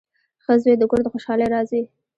• ښه زوی د کور د خوشحالۍ راز وي.